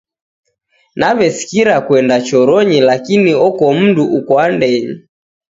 Naw'esikira kuenda choronyi lakini oko mundu uko andenyi